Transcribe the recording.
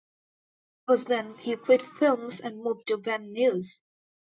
It was then he quit films and moved to Van Nuys.